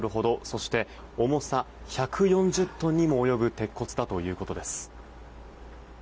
そして、重さ１４０トンにも及ぶ鉄骨だということです。